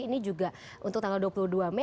ini juga untuk tanggal dua puluh dua mei